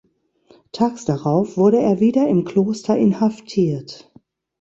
Tags darauf wurde er wieder im Kloster inhaftiert.